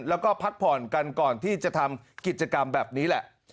แล้วก็พักผ่อนกันก่อนที่จะทำกิจกรรมแบบนี้แหละ